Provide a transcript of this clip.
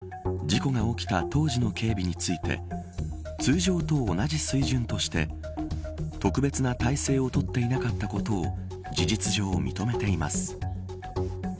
韓国の政府高官は事故が起きた当時の警備について通常と同じ水準として特別な体制を取っていなかったことを事実上認めています。